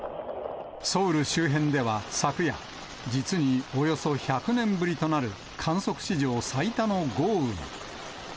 ソウル周辺では昨夜、実におよそ１００年ぶりとなる、観測史上最多の豪雨が。